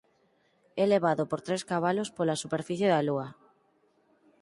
É levado por tres cabalos pola superficie da Lúa.